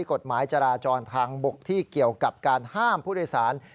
กฎหมายจราจรทางบกที่เกี่ยวกับการห้ามผู้โดยสาร